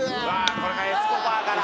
「これがエスコバーから」